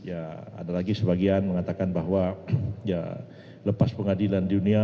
ada lagi sebagian mengatakan bahwa lepas pengadilan dunia